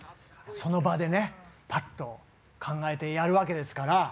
その場でパッと考えてやるわけですから。